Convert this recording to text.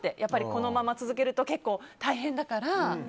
このまま続けると結構大変だから。